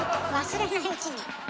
忘れないうちに？